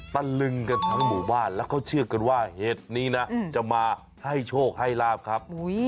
ตะลึงกันทั้งหมู่บ้านแล้วเขาเชื่อกันว่าเห็ดนี้นะจะมาให้โชคให้ลาบครับ